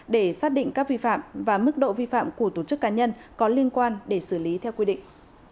để xác định các vi phạm và mức độ vi phạm của tổ chức cá nhân có liên quan để xử lý theo quy định